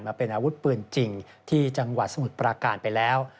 มาเป็นอาวุธปืนจริงที่จังหวัดสมุทรปราการไปแล้ว